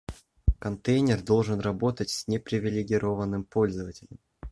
Контейнер должен работать с непривилегированным пользователем